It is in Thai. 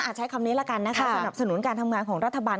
ใช้คำนี้ละกันนะคะสนับสนุนการทำงานของรัฐบาล